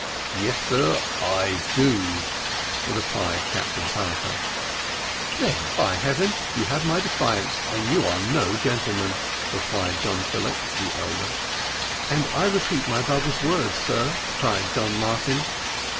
"Yes, sir, I do," replied Captain Tartar. "Then, by Heaven, you have my defiance, and you are no gentleman!" replied Don Philip, the elder. "And I repeat my brother's words, sir," cried Don Martin.